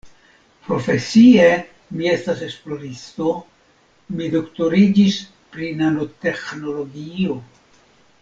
Profesie mi estas esploristo, mi doktoriĝis pri nanoteĥnologio.